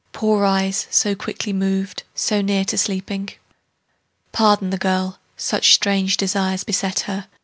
Poor eyes, so quickly moved, so near to sleeping? Pardon the girl; such strange desires beset her.